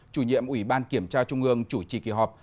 chủ nhiệm ủy ban kiểm tra trung ương chủ trì kỳ họp